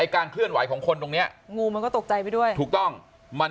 การเคลื่อนไหวของคนตรงเนี้ยงูมันก็ตกใจไปด้วยถูกต้องมัน